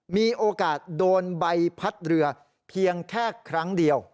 มีโอกาสโดนใบพัดเรือเพียงแค่ครั้งเดียว